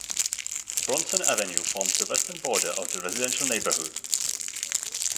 Bronson Avenue forms the western border of the residential neighbourhood.